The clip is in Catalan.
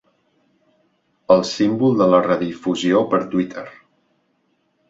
El símbol de la redifusió per Twitter.